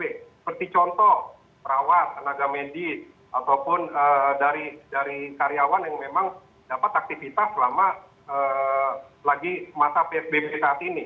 seperti contoh perawat tenaga medis ataupun dari karyawan yang memang dapat aktivitas selama lagi masyarakat